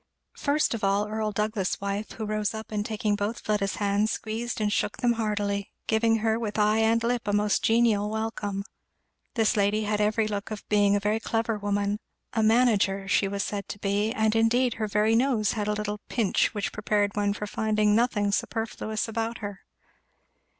First of all Earl Douglass's wife, who rose up and taking both Fleda's hands squeezed and shook them heartily, giving her with eye and lip a most genial welcome. This lady had every look of being a very clever woman; "a manager" she was said to be; and indeed her very nose had a little pinch which prepared one for nothing superfluous about her.